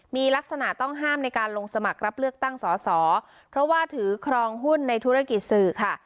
มีลักษณะต้องห้ามในการลงสมัครรับเลือกตั้งสอสอเพราะว่าถือครองหุ้นในธุรกิจสื่อค่ะ